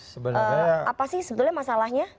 sebenarnya apa sih masalahnya